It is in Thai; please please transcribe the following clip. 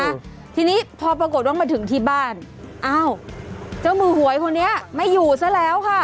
ค่ะทีนี้พอปรากฏว่ามาถึงที่บ้านอ้าวเจ้ามือหวยคนนี้ไม่อยู่ซะแล้วค่ะ